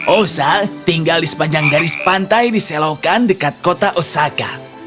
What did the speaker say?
osa tinggal di sepanjang garis pantai di selokan dekat kota osaka